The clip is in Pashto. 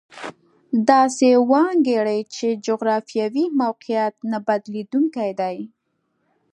داسې وانګېري چې جغرافیوي موقعیت نه بدلېدونکی دی.